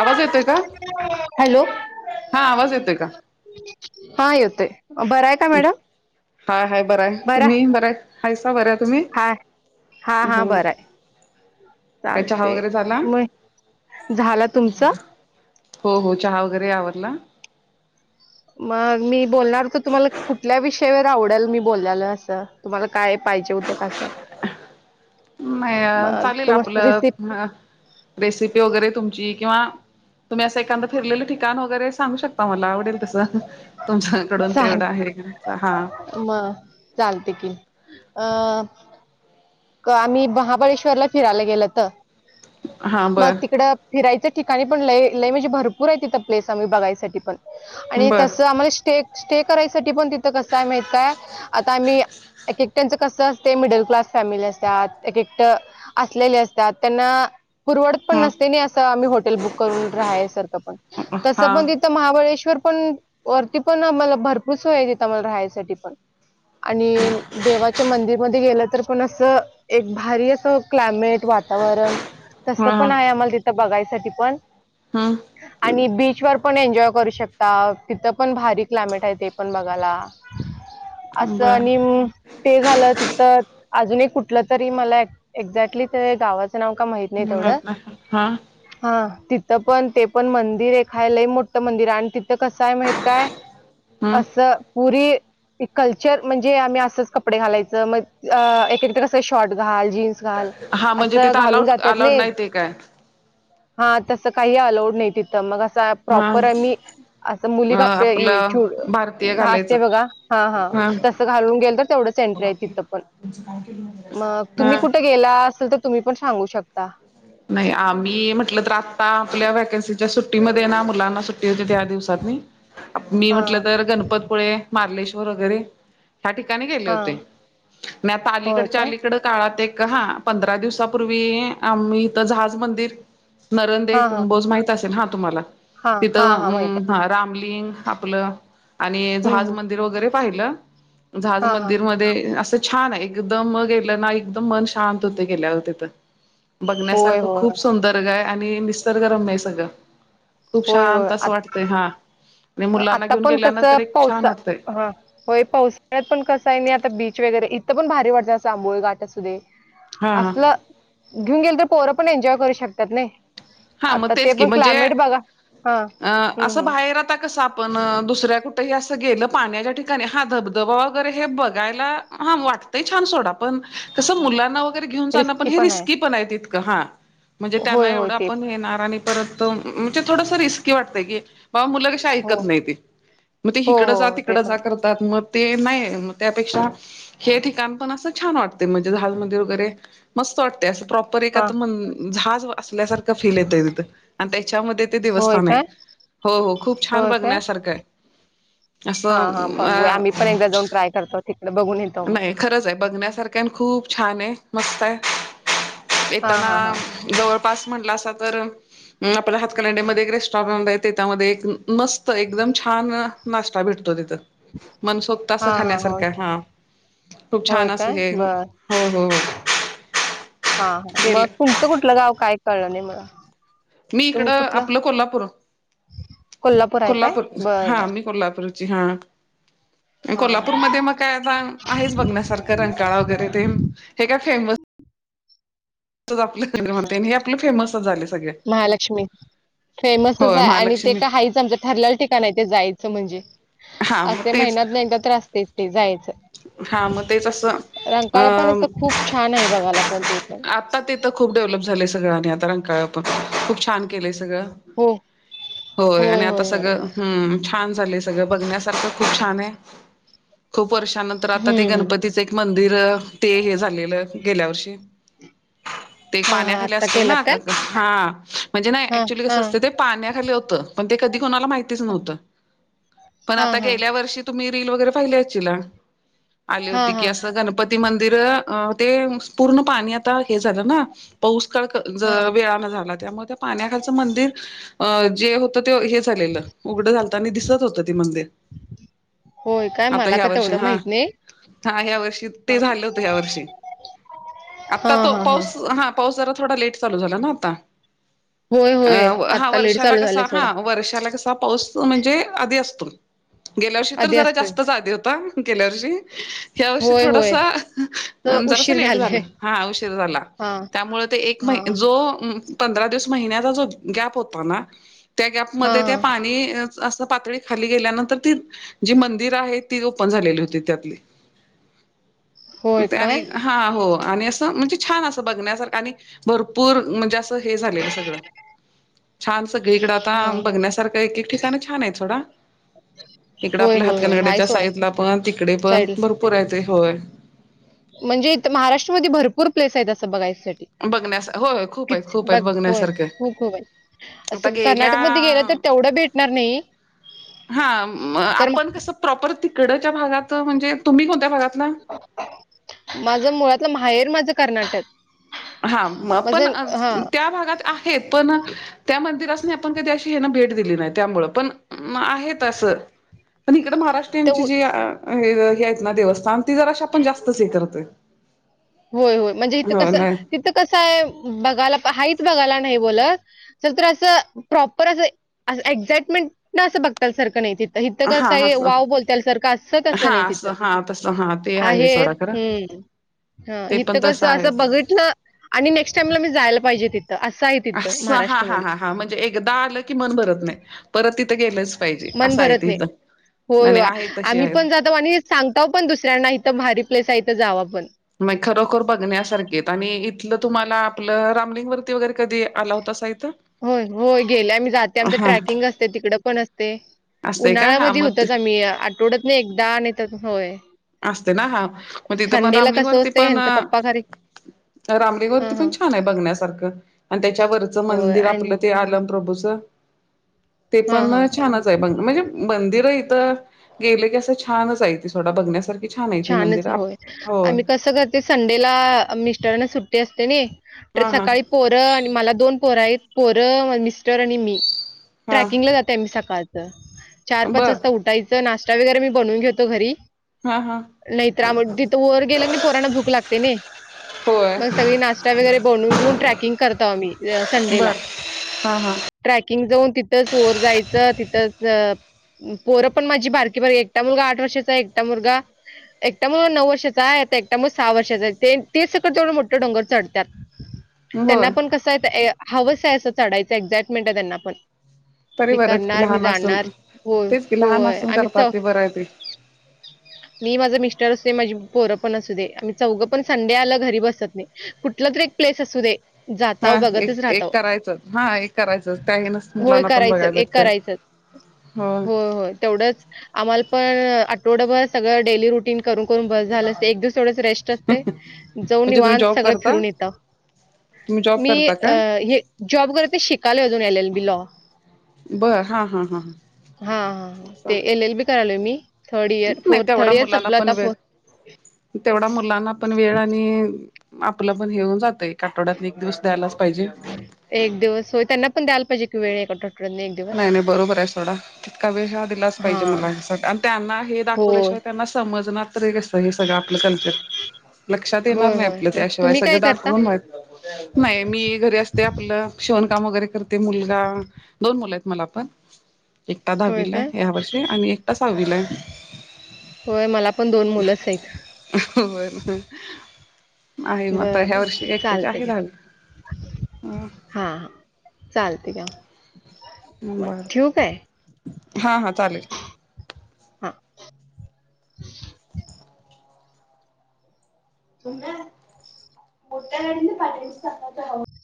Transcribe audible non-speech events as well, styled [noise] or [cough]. आवाज येतय का हॅलो हा आवाज येतेय का हा येत बरा हाय हाय बरंय आहे तुम्ही बरय हायसा बर तुम्ही हा हा हा हो बरं आहे काय चहा चालते वगैरे झाला? मग झाला तुमचं हो हो चहा वगैरे आवरडला मग मी बोलणार तर तुम्हाला कुठल्या विषयावर आवडेल मी बोलाल्याला असं तुम्हाला काय पाहिजे होते कसं नाही चालेल आपलं रिसिप्ट अ रेसिपी वगैरे तुमची किंवा तुम्ही असं एखां फिरलेले ठिकाण वगैरे सांगू शकता मला आवडेल तसं तुमच्याकडून चाल तेवढं आहे का हा मग चालते कि अ आम्ही महाबळेश्वरला फिरायला गेलो तर हा मग बर तिकडं फिरायच्या ठिकाणी पण लय लय म्हणजे भरपूर आहे तथं प्लेस आम्ही बघायसाठी पण आणि बर तस आम्हाला स्टेक स्टे करायसाठी पण तिथं कस आहे माहीत काय आता आम्ही एक त्यांचं कसं असते मिडल क्लास फॅमिली असतात एक एकट असलेले असतात त्यांना पुरवडत पण ह नसते नाही असं आम्ही होॉटेल बुक करून राहायसारखं पण तसं हा पण त महाबळेश्वर पण वरती पण आम्हाला भरपूस वयता मला राहायसाठी पण आणि देवाच्या मंदिरमध्ये गेलं तर पण असं एक भारी असं क्लायमेट वातावरण ह तसं पण आहे आम्हाला तिथ बघायसाठी पण हा आणि बीचवरर पण एन्जॉय करू शकता तिथं पण भारी क्लायमेट आहे ते पण बघायला अस बर आणि ते झालं तिथं अजूनही कुठलं तरी मला एक्झॅक्टली ते गावाचं नाव का माहिित ह् हा हा तिथं पण ते पण मंदिर आहे खायलाही मोठं मंदिर आहे आणि तिथं कसं आहे माहित काय हम् अस पुरी कल्चर म्हणजे आम्ही असंच कपडे घालायचं मग अ एक एकदा कसं शर्ट घाल जीन्स घाल हा म्हणजे असं तिथं घालून अलाउड जातात अलाउड नाही ते काय हा तसं काही अलाोड नाही तिथं मग अस हा प्रॉपर आम्ही असं अ मुली काप आपलं चूड भारतीय घालायचं घासते बघा हा हा तसं घालून गेल तर तेवढंच एंटर आहे तिथं पण हो थँक्यू मग तुम्ही कुठे गेला असेल तर तुम्ही पण सांगू शकता नाही आम्ही म्हटलं तर आत्ता आपल्या व्हॅकन्सीच्या सुट्टीमध्ये ना मुलांना सुट्टी हो त्या दिवसात मी हा म्हटलं तर गणपतपुळे मार्लेश्वर वगैरे ह्या ठिकाणी गेले हा होते मी आता होय अलीकडच्या काय अलीकड काळात एक का हा पंधरा दिवसापूर्वी आम्ही इथ जहाज मंदिर नरंदे हा हा कूमबोज माहित असेल हा तुम्हाला हा हा तिथं हा माहित आहे अ हा रामलिंग आपलं आणि हम्म जहाज हम्म मंदिर वगैरे पाहिलं झाज हा हा मंदिरमध्येध्ये असं छान आहे एकदम गेलं ना एकदम मन शांत होते गेल्यावर तिथ बघ होय सारखं होय खूप सुंदरग आणि निसर्गरम नाही सगळं. खूप होय शछान होय तसं वाटतंय हा आणि मुलांना आता घेऊन पण गेल्यानंत कसं एक छान पावसा वाटतंय हा होय पावसाळ्यात पण कस आहे नाही आता बीच वगैरे इथं पण भारी वाटतं चांबोळी घाट असुदे हा हा असलं घेऊन गेल तर पोरं पण एन्जॉय करू शकतात नाही. हा आता मग ते तेच की पण क्लायमेट म्हणजे बघा हा अ हम्म असं हम्म बाहेर आता कसं आपण दुसऱ्या कुठेही असं गेलं पाण्याच्या ठिकाणी हा धबधबा वगैरे हे बघायला हा वाटतंय छान सोडा पण कसं मुलांना कुठेतरी घेऊन जाणं पण हे रिस्की पण आहे तितकं हा म्हणजे होय त्यांना होय एवढ आ ते नेणार परत म्हणजे थोडस रिस्की वातय की बाबा मुलं कशी हो ऐकत नाही ते मग ते हो हिकड हो जा ते तिकडं पण जा आहे करतात मग ते नाही म त्यापेक्षा हे ठिकाण पण असं छान वाटते म्हणजे झालमध्ये वगैरे मस्त वाटते असं प्रॉप र हा जहाज असल्यासारखं फील येतोय तिथ आणि त्याच्यामध्ये ते होय देवस्थान आहे. काय हो हो खूप छान होय काय बघण्यासारखं आहे. हा हा असं बघू आम्ही अ पण एकदा जाऊन ट्राय करतो तिकडें बघून येतो मग. नाही खरंच आहे बघण्यासारखं आणि खूप छान आहे मस्त आहे हा येताना हा हा जवळपास म्हट अस आप हातखलांद्या मध्ये एक रेस्टॉरट आहे त्याच्यामध्ये मस एकदम छान नाश्ता भेटतो तिथ मनसोक्त अस हा हा होय खाण्यासारख्य हा. खूप होय छान असं काय हे बर हो हो. हा हा मग गेलं तुमचं कुठलं गाव काय कळलं नाही मला. मी इकड तुम्ही कुठलं आपलं कोल्हापूर आहे काय कोल्हापूर बर हा बर मी कोल्हापूर हा हा हा. कोल्हापूरमध्ये मग काय आता आहेच बघण्यासारखं रंकाळा वगैरे ते हे काय फेमस आपलं म्हणता ये हे आपलं फेमसच झाले सगळे महालक्ष्मी. फेमसच होय आहे आणि ते महालक्ष्मी का हयचं आमं ठरलेला ठिकाण ते जायचं म्हणजे हा मग असते तेच महिन्यात नाहीदा तर असतेच ते जायचं. हा मग तेच असं रंकाळ पण अस अ खूप छान आहे बघायला पण ते पण. आता तेिथं खूप डेव्हलप झालंय सगळं आणि आता रंकाळ पण खूप छान केलंय सगळं. हो होय आणि आता सगळं हम्म. छान झाले सगळं बघण्यासारखं खूप छान आहे खूप वर्षानंतर आता ते हम्म हम्म गणपतीचे मंदिर ते हे झालेलं गेल्या वर्षी ते हा हा पाण्याखाली आत्ता असत केलं ना काय हा म्हणजे ना हा ऍक्च्युली हा कसं असतं ते पाण्याखाली होत पण ते कधी कणाला माहितीच नव्हत पण हा आता हा गेल्या वर्षी तुम्ही रील वगैरे पाहिल्यायची ना आली हा होती हा की असं गणपती मंदिर ते पूर्ण पाणी आता हे झालं ना पाऊसकळ हा वेळानें झाला त्यामुळे त्या पाण्याखालचं मंदिर जे होतं ते हेच उघड झालत आणि दिसत होत ते मंदर होय काय आता मला ह्या का वर्षी हा तेवढं माहित नाही हा ह्या वर्षी हा ते झालं होतं ह्या वर्षी. आता तो पाऊस हा पाऊस जरा थोडा लेट चालू झाला ना आता होय होय अ हा आत्ता लेट वर्षाला चालू झाले कसा हा थोडा वर्षाला कस पाऊस म्हणजे आधी असतो गेल्या वर्षी तर आधी जरा असतोय जास्तच आधी होता गेल्या वर्षी हवर्षी होय होय थोडासा तर जरास उशीर लेट झाले झालं हा उशीर झाला. हा त्यामुळ ते एक महि हा जो पंधरा दिस महिन्याचा जो गॅप होता ना त्या गॅप हां, मध्ये ते हां. पाणी अस पातळी खाली गेल्यानंतर ती जी मंदिर आहे ती झालेली होती त्यातली होय काय? हा हो आणि असं म्हणजे छान अस बघण्यासारखं आणि भरपूर म्हणजे अस हे झालेलं सगळं. छान सगळीकडं आता हां. हो. बघण्यासारखं एक एक ठिकाणी छान आहे सोडा. इकडे होय, आपल्या होय, होय. आहे हातकानगड्याच्या सोडा साईज ला पण तिकडे पण साईडला. भरपूर आहेयचे होय म्हणजे महाराष्ट्रमध्ये भरपूर प्लेस आहेत असं बघायसाठी बघण्यास होय खूप क आहेत खूप आहेत बघ होय बघण्यासारखे खूपय आता असं गेल्या कर्नाटक मध्ये गेलं तर तेवढं भेट न नाही हा कारण आपण कस प्रॉपर तिकडच्या भागात म्हणजे तुम्ही कोणत्या भागातला माझं मुळातलं माहेर माझं कर्नाटक हा पण माझं हां. त्या भागात आहेत पण त्या मंदिरास नाही आपण कधी अशी हेना भेट दिली नाही त्यामुळ पण आहेत अस पण इकड महाराष्ट्रींची तेव जी हे आहेत ना देवस्थान ती जर अशा आपण जास्त स हे करतोय होय होय म्हणजे इिथं हो कसं नाही तिथं कसं आहे बघायला हाच बघायला नाही बोलत सर तर असं प्रॉपर असं एक्झाइटमेंट ना असं बघताल सारखं नाहीि इिथं हा कसं आहे असं वाव बोलता सारखं असत असं हा नाही तिथं हा तसं हा ते आहे आहेत सोडा खरं हम् ह ते पण इिथं तसं कसं आहे असं बघितलं आणि नेक्स्ट टाइमला मी जायला पाहिजे तिथ असं आहे तिथं असं हा हा महाराष्ट्रामध्ये हा हा म्हणजे एकदा आलं की मन भरत नाही परत तिथं गेलंच पाहिजे मन असं आहे त भरत नाही. इथं नाही होय, नाही होय. आहे तशी आम्ही आहेत पण जातो आणि सांगता पण दुसऱ्यांना इथं भारी प्लेस आहे इथं जावा पण मग खरोखर बघण्यासारखे आणि इथलं तुम्हाला आपलं रामलिंग ववरती वगैरे कधी आला होतासा इथं हो होय गेले आम्ही जाते आमच हा ट्रॅकिंग तिकड पण असते असतय का हा उन्हाळ्यामध्ये मग ते होतच आम्ही आठवड नाही एकदा नाही तर होय असते ना हा मग तिथं पण संडेला कसं रामलिंगवररती होतंय पण ह्यांचा पप्पा घरी रामरेगावरती हां, पण हां. छान आहे बघण्यासारखं आणि त्याच्यावररचं होय मंदिर आणि आपलं ते आलम प्र्रभूचं ते हां, हां. पण छान म्हणजे मंदिर इथ गेले की अस छानच आहे तडा बण्या छानच होय आम्ही कसं कर ते संडेला मिस्टरने सुट्टी असते ना तर हा हा सकाळी पोरं आणि मला दोन पोरं आहेत पोरं मिस्टर आणि मी हा ट्रॅकिंगला जात ते सकाळचं चार पाच बर वाजता उठायचं नाश्ता वगैरे मी बनवून घेतो घरी हा हा नाहीत्राम तिथं वर गेला पोराना भूक लागते नाही होय मग सगळी नाश वगैरे बनून घेऊन ट्रॅकिंग करतो आम्ही संडेला बर हा हा ट्रॅकिंग जाऊन तिथंच ओर जायचं तिथंच पोरं पण माझी भारकी भर एकटा मुलगा आठ वर्षाचा एकटा मुलगा एकटामुळे नऊर्ाचां आहे आता एकटामुळे सहा वर्षाच आहे तेच सगं तेथवढं मोठे डोर चढतात त्यांना होय पण कसं आहे हवंस आहे असं चढायचं एक्झाइटमेंट आहे त्यांना पण तरी मी बरंच की करणार मी लहान असून जाणार हो होय आम्ही बरय ते मी माझं मिस्टर अस दे माझी पोरं पण असू दे आणि चौघं पण संडे आला घरी बसत नाही कुठला तरी एक प्लेस असू दे जाता हा बघतच एक राहत एक करायचं हा एक करायचं त्या हेनच होय मुलांना पण करायचं बघायला एक भेटतय करायचं हो हो तेवढंच आम्हाला पण आठवडं भर सगळं डेली रुटीन करून करून बस झालं असते एक दिवस एवढंच रेस्ट असते जाऊन म्हणजे तुम्ही वान जॉब सगळं करता फिरून येतं. तुम्ही जॉब मी करता काय हे जॉब करते शिकाल अजून एल एल बी लॉ बर हा हा हा हा हा ते एल एल बी कलोय मी थर्ड इयर, नाही फोर्थ तेवढा थर्ड इयर मुलांना संपलं पण आता वेळ फोर्थ तेवढा मुलांना पण वेळ आणि आपलं पण हेऊन जातय एक आठवड्यात एक दिवस द्यायलाच पाहिजे एक दिवस होय त्यांना पण द्यायला पाहिजे की वेळ क नाही नाही बरोबर आहे सथोडा तितका वेळ हा दिलाच पाहिजे हां. मला ह्यासाठी आणि त्यांना हे होय. दाखवल्याशिवाय त्यांना समजणार कस हे सगळं आपलं कल्चर लक्षात येणार होय, नाही होय. आपलं मग त्याशिवाय तुम्ही काय सगळं करता? दाखवून नाही मी घरी असते. आपलं शेवणकाम वगैरे करते. मुलगा दोन मुलं आहेत मला आपण एकटा होय दहावीला काय? या वर्षी आणि एकटा सहावीलाय होय मला पण दोन मुलंच आहेत. होर आहे बरं, मता ह्या बरं. वर्षी एकट्याच चालतंय आहे झालं. ह हा चालते का बर हा हा चालेल. हा मम मुठनडीने पहिच स्त आव [inaudible]